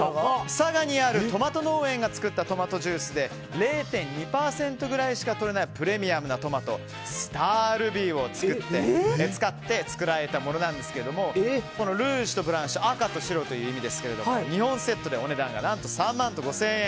佐賀にあるトマト農園が作ったトマトジュースで０．２％ぐらいしかとれないプレミアムなトマトスタールビーを使って作られたものなんですけどルージュとブランシュ赤と白という意味ですがお値段、何と３万５０００円。